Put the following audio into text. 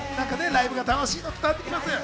ライブが楽しいの伝わってきます。